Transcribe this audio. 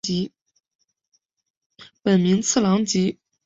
本名次郎吉。